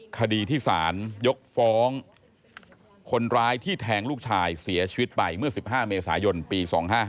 คดีที่สารยกฟ้องคนร้ายที่แทงลูกชายเสียชีวิตไปเมื่อ๑๕เมษายนปี๒๕๕